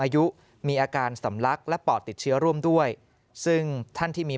อายุมีอาการสำลักและปอดติดเชื้อร่วมด้วยซึ่งท่านที่มี